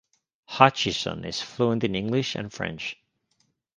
Hutchison is fluent in English and French.